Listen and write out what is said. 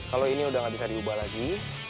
kalau ini udah nggak bisa diubah lagi